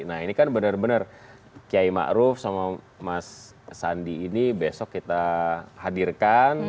nah ini kan bener bener kiai ma'ruf sama mas andi ini besok kita hadirkan